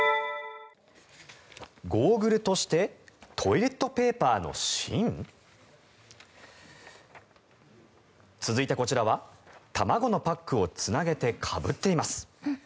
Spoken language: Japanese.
ゴーグルとしてトイレットペーパーの芯？続いて、こちらは卵のパックをつなげてかぶっています。